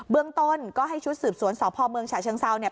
เรื่องต้นก็ให้ชุดสืบสวนสพเมืองฉะเชิงเซาเนี่ย